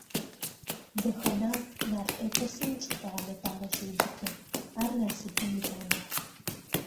Дэхэнагъу нарт эпосым чӏыпӏэ гъэнэфагъэ щеубыты, ар насыпым итамыгъ.